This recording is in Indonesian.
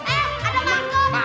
eh ada mangkok